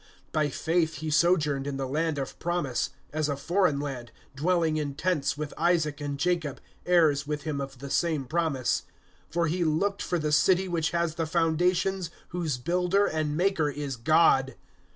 (9)By faith he sojourned in the land of promise, as a foreign land, dwelling in tents with Isaac and Jacob, heirs with him of the same promise; (10)for he looked for the city which has the foundations, whose builder and maker is God.